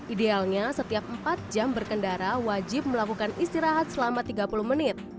idealnya setiap empat jam berkendara wajib melakukan istirahat selama tiga puluh menit